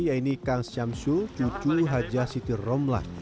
yaitu kang syamsu cucu haja sitorong blah